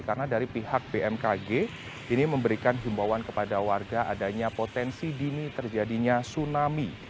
karena dari pihak bmkg ini memberikan himbawan kepada warga adanya potensi dini terjadinya tsunami